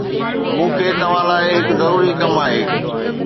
مون کي توهان لاءِ هڪ ضروري ڪم آهي